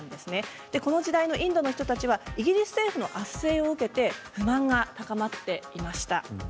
この時代のインドの人たちはイギリス政府の圧政を受けて不満が高まっていました。